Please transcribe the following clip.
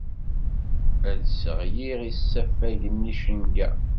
Ad d-sseɣliɣ isafagen n yicenga.